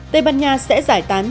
tây ban nha sẽ giải tán